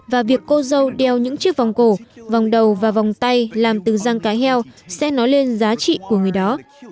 và việc cô dâu đeo những chiếc vòng cổ vòng đầu và vòng tay làm từ răng cá heo sẽ nói lên giá trị của người đó